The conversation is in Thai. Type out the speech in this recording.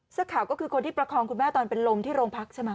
เสื้อข่าวก็คือคนที่ประคองคุณแม่ตอนไปโรงพักใช่มั้ย